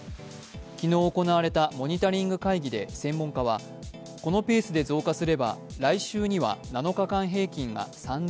昨日行われたモニタリング会議で専門家はこのペースで増加すれば来週には７日間平均が３０００人。